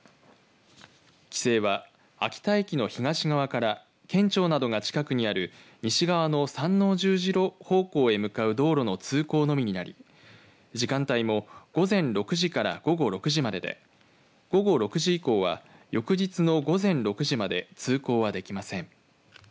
規制は秋田駅の東側から県庁などが近くにある西側の山王十字路方向へ向かう道路の通行のみになり時間帯の午前６時から午後６時までで午後６時以降は翌日の午前６時まで通行はできません。